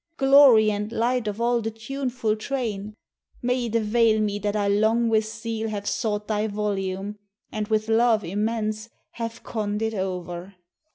"Glory and light of all the tuneful train! May it avail me that I long with zeal Have sought thy volume, and with love immense Have conn'd it o'er.